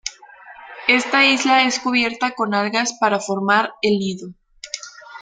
Esta isla es cubierta con algas para formar el nido.